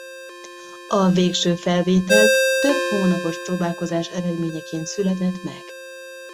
A végső felvétel több hónapos próbálkozás eredményeként született meg.